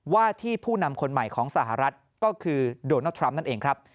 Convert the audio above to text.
ว่าที่ผู้นำคนใหม่ของสหรัฐก็คือโดนัลดทรัมป์นั่นเองครับ